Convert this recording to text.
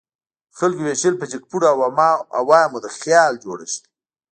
د خلکو ویشل په جګپوړو او عوامو د خیال جوړښت دی.